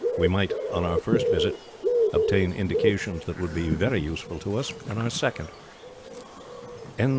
We might, on our first visit, obtain indications that would be very useful to us on our second."